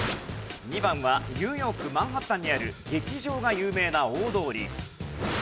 ２番はニューヨークマンハッタンにある劇場が有名な大通り。